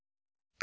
あ。